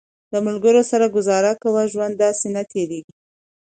د ملګرو سره ګزاره کوه، ژوند داسې نه تېرېږي